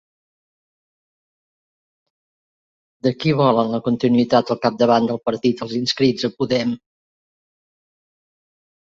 De qui volen la continuïtat al capdavant del partit els inscrits a Podem?